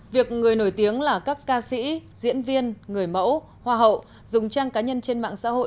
việc người nổi tiếng là các ca sĩ diễn viên người mẫu hoa hậu dùng trang cá nhân trên mạng xã hội